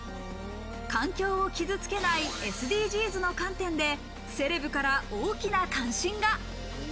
環境を傷つけないＳＤＧｓの観点でセレブから大きな関心が。